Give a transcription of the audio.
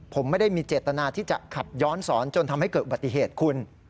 ผมไม่ได้มีเจตนาที่จะขับย้อนสอนจนทำให้เกิดอุบัติเหตุคุณ